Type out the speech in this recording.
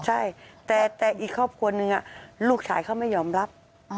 ใช่แต่อีกครอบครัวหนึ่งลูกชายเขาไม่ยอมรับ